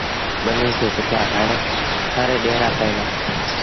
ٻنيٚ کي سُٺآ هر ڏيٚڻآݩ پئيٚن دآ۔